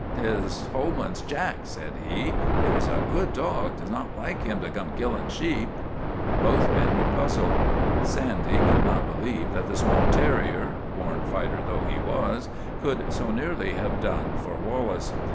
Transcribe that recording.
" J T is Holman's Jack," said he. " He was a good dog; 'twas not like him to come killin' sheep." Both men were puzzled. Sandy could not believe that the small terrier, born fighter though he was, could so nearly have done for Wallace.